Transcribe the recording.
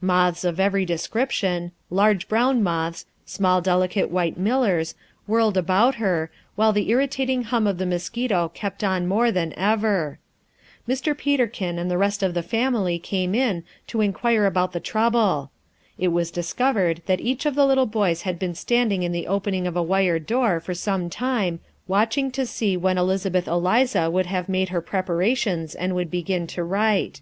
Moths of every description large brown moths, small, delicate white millers whirled about her, while the irritating hum of the mosquito kept on more than ever. Mr. Peterkin and the rest of the family came in to inquire about the trouble. It was discovered that each of the little boys had been standing in the opening of a wire door for some time, watching to see when Elizabeth Eliza would have made her preparations and would begin to write.